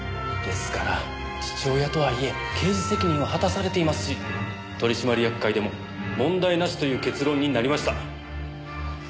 ですから父親とはいえ刑事責任を果たされていますし取締役会でも問題なしという結論になりました。